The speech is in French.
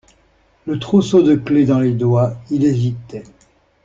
Le trousseau de clefs dans les doigts, il hésitait.